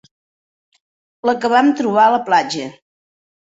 La que van trobar a la platja.